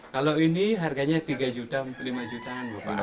kalau ini harganya tiga lima jutaan